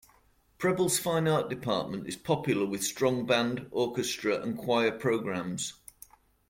Preble's fine arts department is popular, with strong band, orchestra, and choir programs.